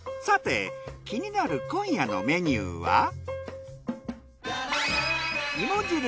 さて気になる今夜のメニューは？